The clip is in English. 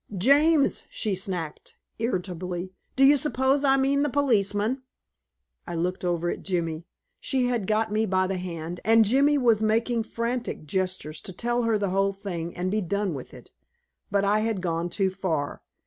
"James," she snapped irritably. "Do you suppose I mean the policeman?" I looked over at Jimmy. She had got me by the hand, and Jimmy was making frantic gestures to tell her the whole thing and be done with it. But I had gone too far.